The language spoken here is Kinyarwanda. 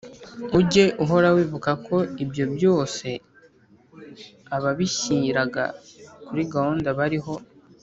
Ujye uhora wibuka ko ibyo byose Ababishyiraga kuri gahunda Bariho